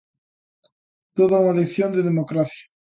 Toda unha lección de democracia.